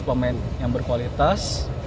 pemain yang berkualitas